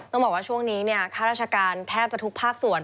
ต้องบอกว่าช่วงนี้ข้าราชการแทบจะทุกภาคส่วน